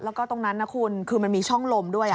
แล้วก็ตรงนั้นนะคุณคือมันมีช่องลมด้วย